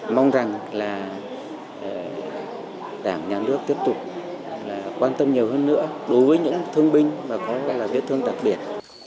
mong rằng là đảng nhà nước tiếp tục quan tâm nhiều hơn nữa đối với những thương binh và có biết thương đặc biệt